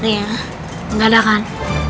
yaa enggak ada kan